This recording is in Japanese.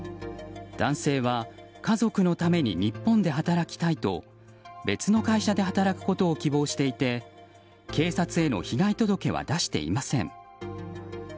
男性は家族のために日本で働きたいと別の会社で働くことを希望していて警察への被害届は出していません。